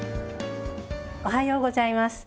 おはようございます。